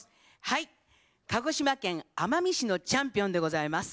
鹿児島県奄美市のチャンピオンでございます。